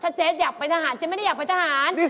เจ๊อยากไปทหารเจ๊ไม่ได้อยากไปทหาร